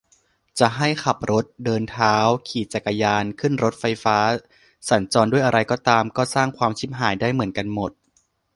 จะให้ขับรถ เดินเท้า ขี่จักรยาน ขึ้นรถไฟฟ้า สัญจรด้วยอะไรก็ตาม ก็สร้างความชิบหายได้เหมือนกันหมด